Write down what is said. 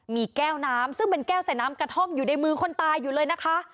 มีแก้วน้ำซึ่งเป็นแก้วใส่น้ำกระท่อมอยู่ในมือคนตายอยู่เลยนะคะ